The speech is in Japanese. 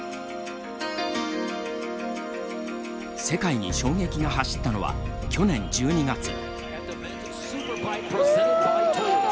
世界に衝撃が走ったのは去年１２月。